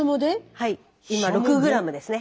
はい今６ｇですね。